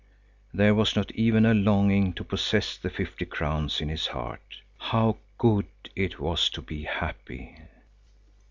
There was not even a longing to possess the fifty crowns in his heart. How good it was to be happy!